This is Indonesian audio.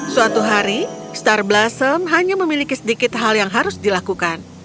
suatu hari star blossom hanya memiliki sedikit hal yang harus dilakukan